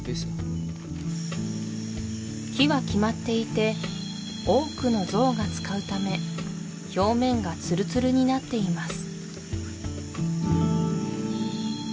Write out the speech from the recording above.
木は決まっていて多くのゾウが使うため表面がツルツルになっています